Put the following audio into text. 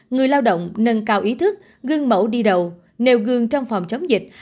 người lao động nâng cao ý thức gương mẫu đi đầu nêu gương trong phòng chống dịch